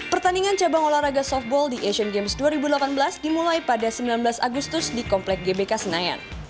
pertandingan cabang olahraga softball di asian games dua ribu delapan belas dimulai pada sembilan belas agustus di komplek gbk senayan